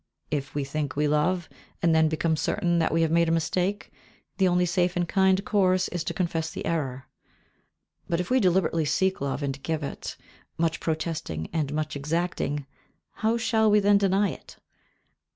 If we think we love, and then become certain that we have made a mistake, the only safe and kind course is to confess the error; but if we deliberately seek love and give it, much protesting and much exacting, how shall we then deny it?